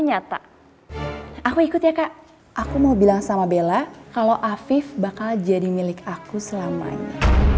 nyata aku ikut ya kak aku mau bilang sama bella kalau afif bakal jadi milik aku selama ini